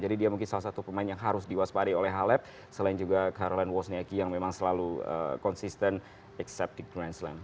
jadi dia mungkin salah satu pemain yang harus diwaspadi oleh halep selain juga caroline wozniacki yang memang selalu konsisten except di grand slam